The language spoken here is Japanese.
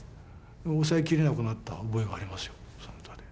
抑えきれなくなった覚えがありますよ。